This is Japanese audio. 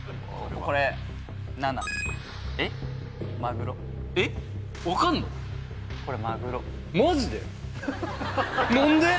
これマグロマジで！？